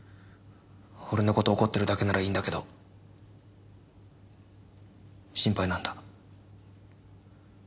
俺の事怒ってるだけならいいんだけど心配なんだ。